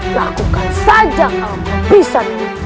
lakukan saja kalau kau bisa